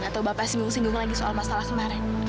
atau bapak singgung singgung lagi soal masalah kemarin